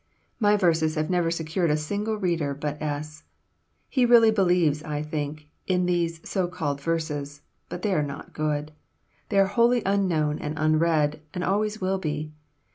My verses have never secured a single reader but S. He really believes, I think, in those so called verses; but they are not good, they are wholly unknown and unread, and always will be.